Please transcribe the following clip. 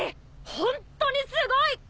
ホンットにすごい！